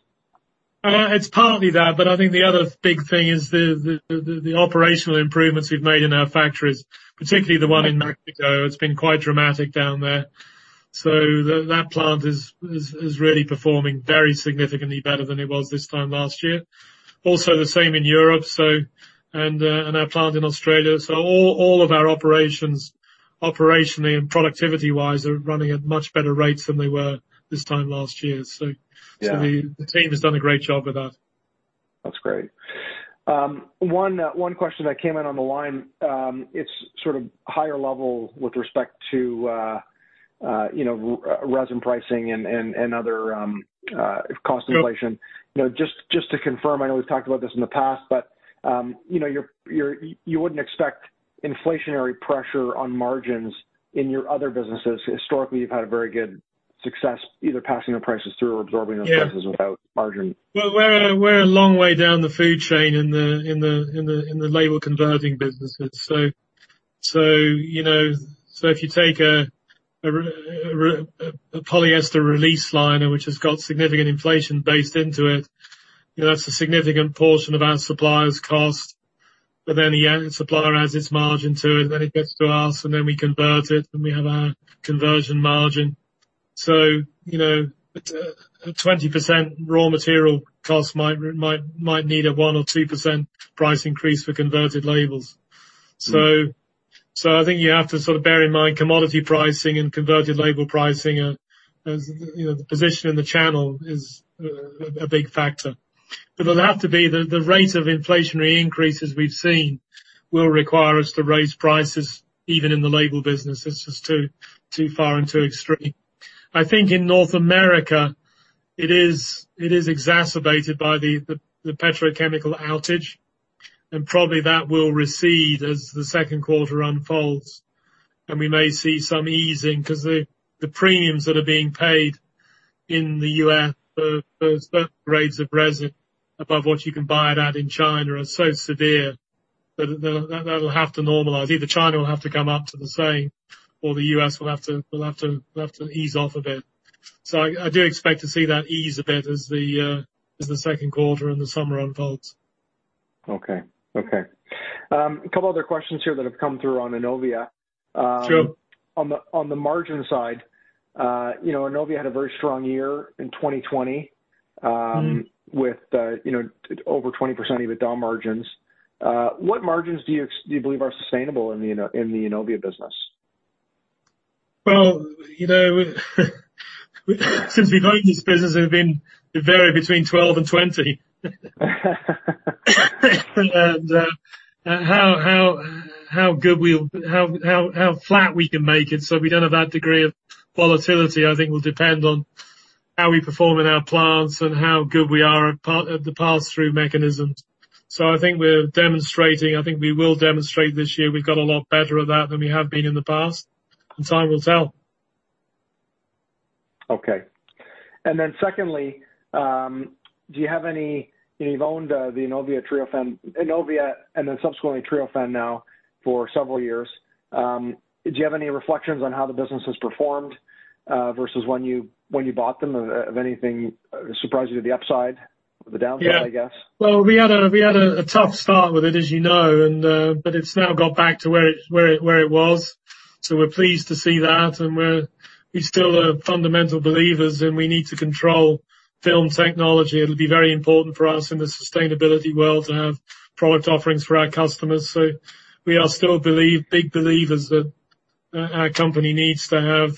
It's partly that, but I think the other big thing is the operational improvements we've made in our factories, particularly the one in Mexico. It's been quite dramatic down there. That plant is really performing very significantly better than it was this time last year. Also, the same in Europe and our plant in Australia. All of our operations, operationally and productivity-wise, are running at much better rates than they were this time last year. Yeah. The team has done a great job with that. That's great. One question that came in on the line, it's sort of higher level with respect to, you know, resin pricing and other cost inflation. Yep. You know, just to confirm, I know we've talked about this in the past, but you know, you wouldn't expect inflationary pressure on margins in your other businesses. Historically, you've had very good success either passing the prices through or absorbing- Yeah. those prices without margin. Well, we're a long way down the food chain in the label converting businesses. You know, if you take a polyester release liner, which has got significant inflation baked into it, you know, that's a significant portion of our suppliers' cost. But then the end supplier adds its margin to it, then it gets to us, and then we convert it, and we have our conversion margin. You know, 20% raw material cost might need a 1% or 2% price increase for converted labels. Mm. I think you have to sort of bear in mind commodity pricing and converted label pricing. As you know, the position in the channel is a big factor. It'll have to be the rate of inflationary increases we've seen will require us to raise prices even in the label business. It's just too far and too extreme. I think in North America, it is exacerbated by the petrochemical outage, and probably that will recede as the second quarter unfolds. We may see some easing, 'cause the premiums that are being paid in the U.S. for certain grades of resin above what you can buy it at in China are so severe that that'll have to normalize. Either China will have to come up to the same, or the U.S. will have to ease off a bit. I do expect to see that ease a bit as the second quarter and the summer unfolds. Okay. A couple other questions here that have come through on Innovia. Sure. On the margin side, you know, Innovia had a very strong year in 2020. Mm-hmm. with, you know, over 20% EBITDA margins. What margins do you believe are sustainable in the Innovia business? Well, you know, since we've owned this business, they vary between 12 and 20. How flat we can make it so we don't have that degree of volatility, I think, will depend on how we perform in our plants and how good we are at the pass-through mechanisms. I think we will demonstrate this year we've got a lot better at that than we have been in the past. Time will tell. Okay. Secondly, you've owned the Innovia, Treofan, Innovia and then subsequently Treofan now for several years. Do you have any reflections on how the business has performed versus when you bought them? Has anything surprised you to the upside or the downside, I guess? Yeah. Well, we had a tough start with it, as you know, and but it's now got back to where it was. We're pleased to see that, and we're still fundamental believers in we need to control film technology. It'll be very important for us in the sustainability world to have product offerings for our customers. We are still big believers that our company needs to have,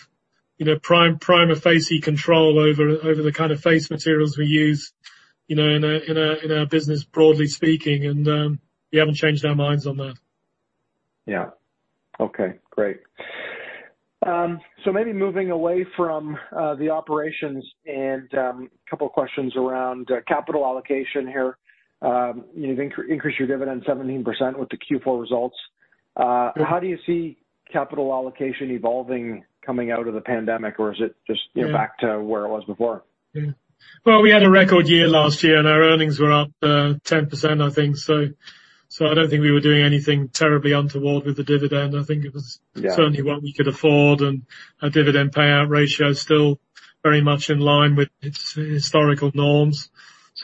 you know, prima facie control over the kind of face materials we use, you know, in a business, broadly speaking. We haven't changed our minds on that. Yeah. Okay, great. Maybe moving away from the operations and a couple questions around capital allocation here. You've increased your dividend 17% with the Q4 results. Yeah. How do you see capital allocation evolving coming out of the pandemic, or is it just- Yeah. You know, back to where it was before? Yeah. Well, we had a record year last year, and our earnings were up 10% I think, so I don't think we were doing anything terribly untoward with the dividend. I think it was- Yeah. Certainly, what we could afford, and our dividend payout ratio is still very much in line with its historical norms.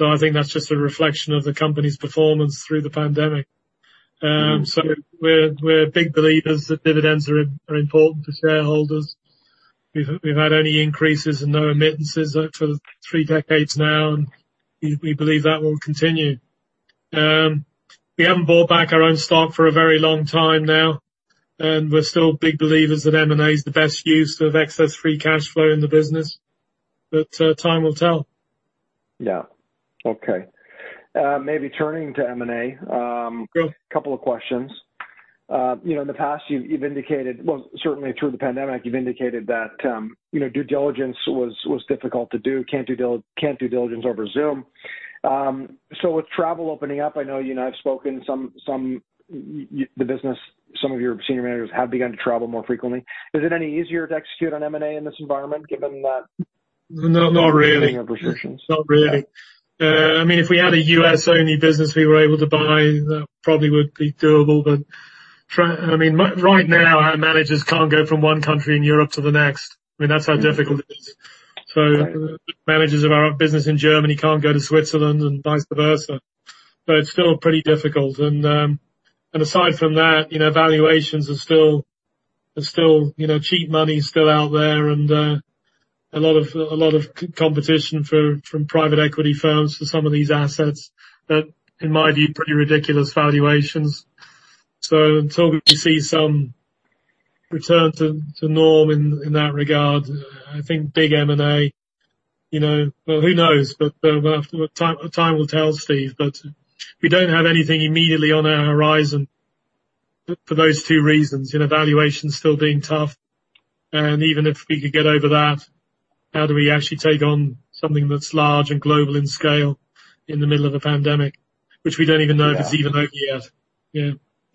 I think that's just a reflection of the company's performance through the pandemic. We're big believers that dividends are important to shareholders. We've had only increases and no omissions for three decades now, and we believe that will continue. We haven't bought back our own stock for a very long time now, and we're still big believers that M&A is the best use of excess free cash flow in the business, but time will tell. Yeah. Okay. Maybe turning to M&A. Sure. A couple of questions. You know, in the past you've indicated. Well, certainly through the pandemic, you've indicated that due diligence was difficult to do, can't do due diligence over Zoom. With travel opening up, I know you and I've spoken some about the business, some of your senior managers have begun to travel more frequently. Is it any easier to execute on M&A in this environment, given that? No, not really. I mean, if we had a U.S.-only business we were able to buy, that probably would be doable. But I mean, right now, our managers can't go from one country in Europe to the next. I mean, that's how difficult it is. Right. Managers of our business in Germany can't go to Switzerland and vice versa. It's still pretty difficult. Aside from that, you know, valuations are still, you know, cheap money is still out there and a lot of competition from private equity firms for some of these assets that, in my view, pretty ridiculous valuations. Until we see some return to norm in that regard, I think big M&A, you know. Well, who knows? Time will tell, Stephen, but we don't have anything immediately on our horizon for those two reasons. You know, valuations still being tough. Even if we could get over that, how do we actually take on something that's large and global in scale in the middle of a pandemic, which we don't even know if it's even over yet. Yeah.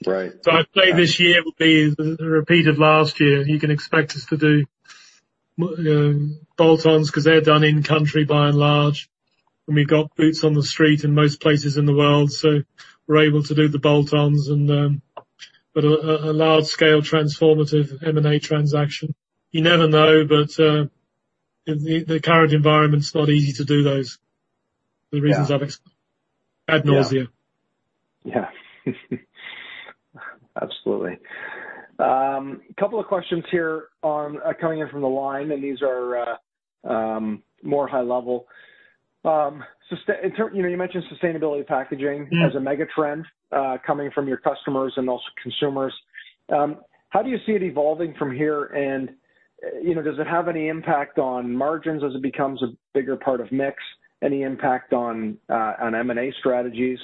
Right. I'd say this year will be the repeat of last year. You can expect us to do bolt-ons because they're done in country by and large. We've got boots on the street in most places in the world, so we're able to do the bolt-ons and but a large-scale transformative M&A transaction, you never know. The current environment's not easy to do those. Yeah. The reasons I've explained ad nauseam. Yeah. Absolutely. A couple of questions here on coming in from the line, and these are more high level. You know, you mentioned sustainability packaging. Mm. as a mega trend coming from your customers and also consumers. How do you see it evolving from here? You know, does it have any impact on margins as it becomes a bigger part of mix? Any impact on M&A strategies?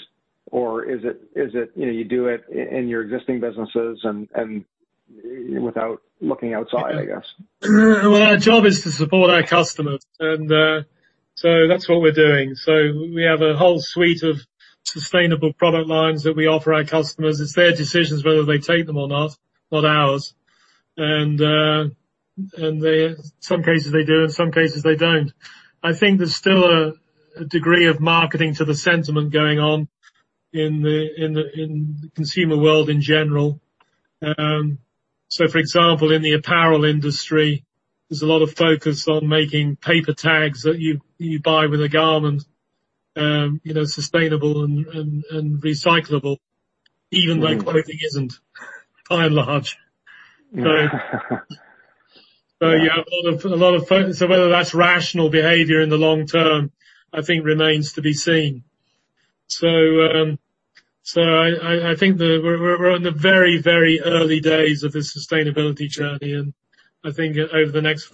Or is it, you know, you do it in your existing businesses and without looking outside, I guess? Well, our job is to support our customers, and that's what we're doing. We have a whole suite of sustainable product lines that we offer our customers. It's their decisions whether they take them or not ours. In some cases they do, in some cases they don't. I think there's still a degree of marketing to the sentiment going on in the consumer world in general. For example, in the apparel industry, there's a lot of focus on making paper tags that you buy with a garment, you know, sustainable and recyclable, even though quality isn't by and large. Yeah. Whether that's rational behavior in the long term, I think remains to be seen. I think that we're in the very early days of this sustainability journey. I think over the next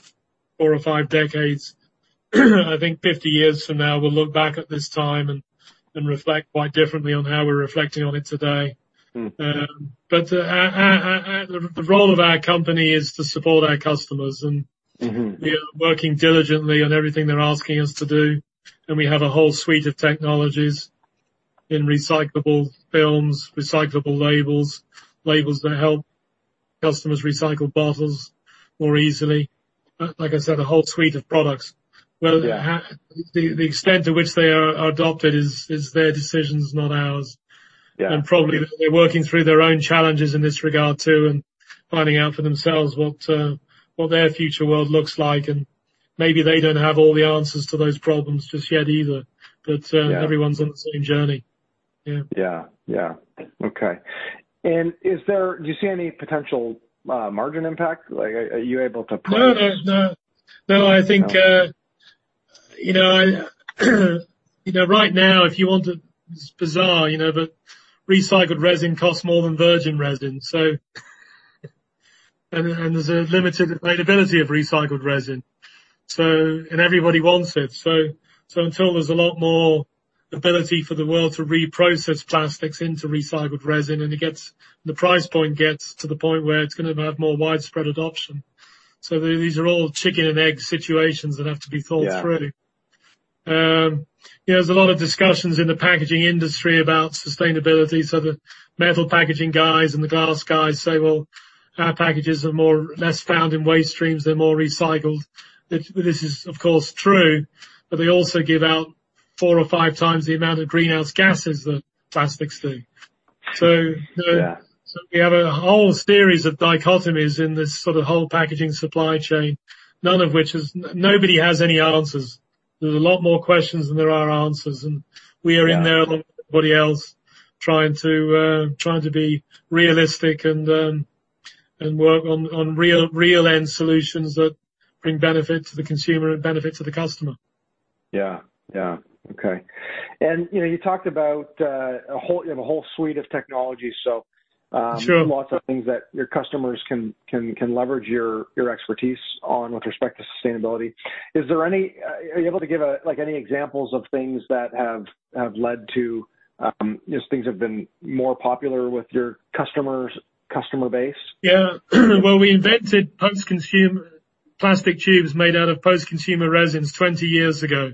four or five decades, 50 years from now, we'll look back at this time and reflect quite differently on how we're reflecting on it today. Mm-hmm. The role of our company is to support our customers and Mm-hmm. We are working diligently on everything they're asking us to do. We have a whole suite of technologies in recyclable films, recyclable labels that help customers recycle bottles more easily. Like I said, a whole suite of products. Yeah. The extent to which they are adopted is their decisions, not ours. Yeah. Probably they're working through their own challenges in this regard, too, and finding out for themselves what their future world looks like. Maybe they don't have all the answers to those problems just yet either. Yeah. Everyone's on the same journey. Yeah. Yeah. Yeah. Okay. Do you see any potential margin impact? Like, are you able to- No. I think, you know, right now, it's bizarre, you know, but recycled resin costs more than virgin resin. There's a limited availability of recycled resin. Everybody wants it. Until there's a lot more ability for the world to reprocess plastics into recycled resin and the price point gets to the point where it's gonna have more widespread adoption. These are all chicken and egg situations that have to be thought through. Yeah. There's a lot of discussions in the packaging industry about sustainability. The metal packaging guys and the glass guys say, "Well, our packages are less found in waste streams, they're more recycled." This is of course true, but they also give out four or five times the amount of greenhouse gases that plastics do. Yeah. We have a whole series of dichotomies in this sort of whole packaging supply chain, none of which nobody has any answers. There's a lot more questions than there are answers. Yeah. We are in there like everybody else, trying to be realistic and work on real end solutions that bring benefit to the consumer and benefit to the customer. Yeah. Yeah. Okay. You know, you talked about a whole suite of technologies so- Sure. Lots of things that your customers can leverage your expertise on with respect to sustainability. Are you able to give, like, any examples of things that have led to, you know, things that have been more popular with your customer base? Yeah. Well, we invented post-consumer plastic tubes made out of post-consumer resins 20 years ago,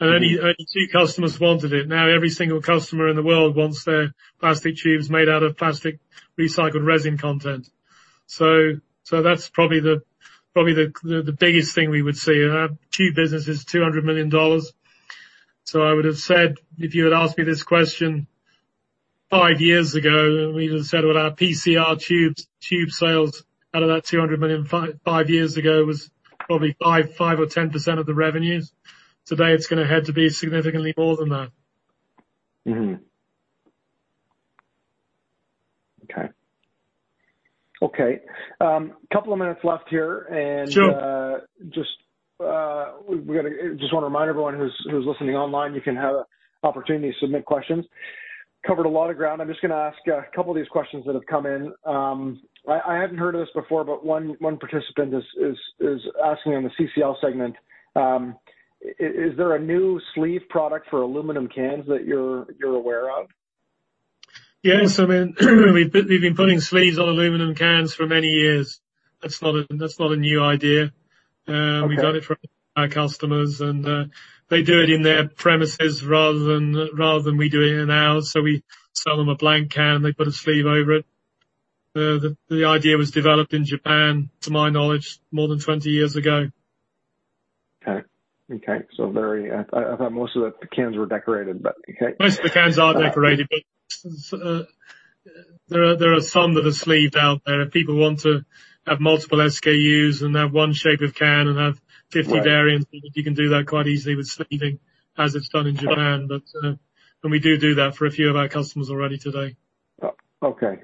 and only two customers wanted it. Now every single customer in the world wants their plastic tubes made out of post-consumer recycled resin content. That's probably the biggest thing we would see. Our tube business is 200 million dollars. I would have said, if you had asked me this question five years ago, we'd have said, well, our PCR tubes, tube sales out of that 200 million five years ago was probably 5% or 10% of the revenues. Today, it's gonna have to be significantly more than that. Okay. Couple of minutes left here and. Sure. Just wanna remind everyone who's listening online, you can have an opportunity to submit questions. Covered a lot of ground. I'm just gonna ask a couple of these questions that have come in. I hadn't heard of this before, but one participant is asking on the CCL segment, is there a new sleeve product for aluminum cans that you're aware of? Yes. I mean, we've been putting sleeves on aluminum cans for many years. That's not a new idea. Okay. We've done it for our customers, and they do it in their premises rather than we do it in ours. We sell them a blank can; they put a sleeve over it. The idea was developed in Japan, to my knowledge, more than 20 years ago. Okay. I thought most of the cans were decorated, but okay. Most of the cans are decorated, but there are some that are sleeved out there. If people want to have multiple SKUs and have one shape of can and have 50 variants- Right. You can do that quite easily with sleeving, as it's done in Japan. We do that for a few of our customers already today. Okay.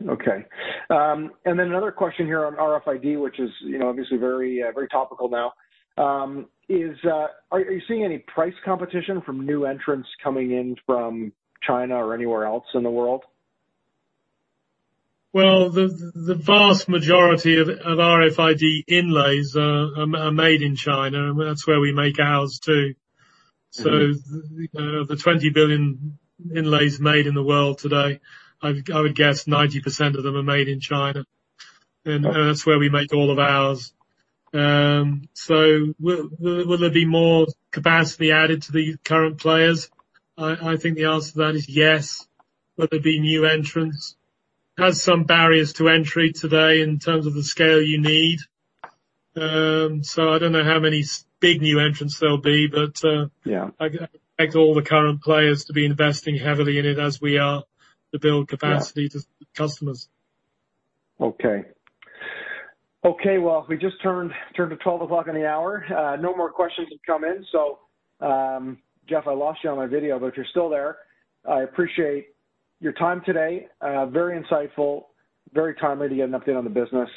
Another question here on RFID, which is, you know, obviously very, very topical now, is, are you seeing any price competition from new entrants coming in from China or anywhere else in the world? Well, the vast majority of RFID inlays are made in China, and that's where we make ours, too. Mm-hmm. The 20 billion inlays made in the world today, I would guess 90% of them are made in China. That's where we make all of ours. Will there be more capacity added to the current players? I think the answer to that is yes. Will there be new entrants? There's some barriers to entry today in terms of the scale you need. I don't know how many big new entrants there'll be, but Yeah. I expect all the current players to be investing heavily in it as we are to build capacity. Yeah. to customers. Okay, well, we just turned to 12 o'clock on the hour. No more questions have come in. So, Jeff, I lost you on my video, but you're still there. I appreciate your time today. Very insightful, very timely to get an update on the business.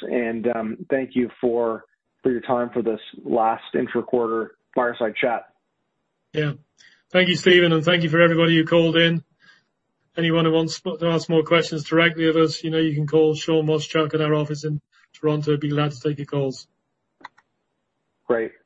Thank you for your time for this last intra-quarter fireside chat. Yeah. Thank you, Stephen. Thank you for everybody who called in. Anyone who wants to ask more questions directly of us, you know you can call Sean Washchuk at our office in Toronto. Be glad to take your calls. Great. Thanks.